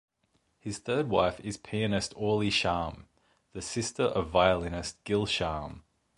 His third wife is pianist Orli Shaham, the sister of violinist Gil Shaham.